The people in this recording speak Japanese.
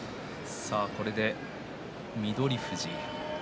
これで翠富士